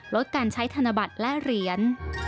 ลดการใช้ธนบัตรและเหรียญ